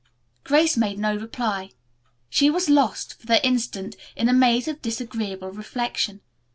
Grace made no reply. She was lost, for the instant, in a maze of disagreeable reflection.